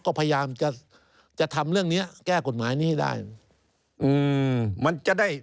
ก็พยายามจะทำเรื่องนี้แก้กฎหมายนี้ได้